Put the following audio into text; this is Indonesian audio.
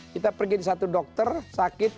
kita pergi di satu dokter sakit